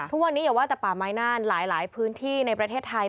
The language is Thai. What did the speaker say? ทุกวันนี้อย่าว่าแต่ป่าไม้น่านหลายพื้นที่ในประเทศไทย